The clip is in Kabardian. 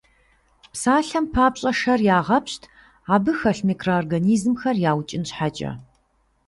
Псалъэм папщӀэ, шэр къагъэпщт, абы хэлъ микроорганизмхэр яукӀын щхьэкӀэ.